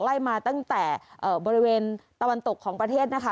ไล่มาตั้งแต่บริเวณตะวันตกของประเทศนะคะ